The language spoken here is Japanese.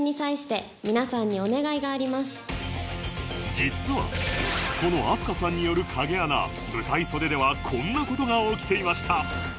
実はこの飛鳥さんによる影アナ舞台袖ではこんな事が起きていました